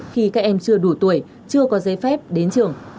khi các em chưa đủ tuổi chưa có giấy phép đến trường